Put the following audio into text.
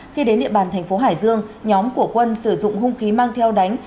khi đến địa bàn thành phố hải dương nhóm của quân sử dụng hung khí mang theo đánh